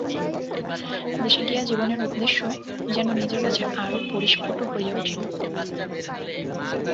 দেশে গিয়া জীবনের উদ্দেশ্য যেন নিজের কাছে আরও পরিস্ফুট হইয়া উঠিল।